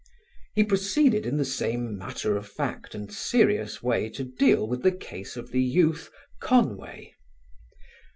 He proceeded in the same matter of fact and serious way to deal with the case of the youth, Conway.